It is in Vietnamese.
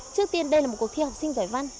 trước tiên đây là một cuộc thi học sinh giỏi văn